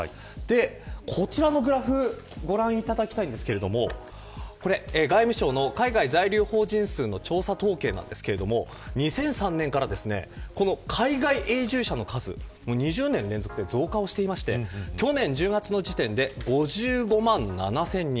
こちらのグラフをご覧いただきたいですが外務省の海外在留邦人数の調査統計なんですが２００３年から海外永住者の数２０年連続で増加していて去年１０月の時点で５５万７０００人